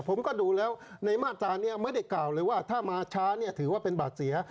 ผมก็ดูแล้วในมาตรานี้ไม่ได้กล่าวเลยว่าถ้ามาช้าเนี่ยถือว่าเป็นบาดเสีย